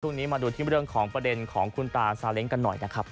มาดูที่เรื่องของประเด็นของคุณตาซาเล้งกันหน่อยนะครับ